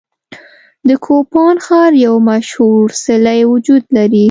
د کوپان ښار یو مشهور څلی وجود لري.